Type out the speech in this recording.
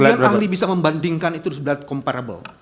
bagaimana kemudian ahli bisa membandingkan itu dan seberat comparable